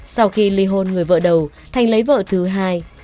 sau khi ly hôn người vợ đầu thanh lấy vợ thứ hai